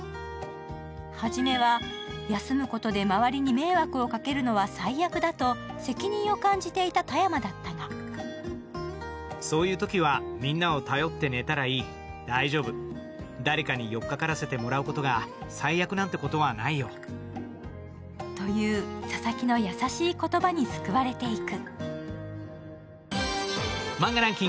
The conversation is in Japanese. はじめは、休むことで周りに迷惑をかけるのは最悪だと責任を感じていた田山だったがという佐々木の優しい言葉に救われていく。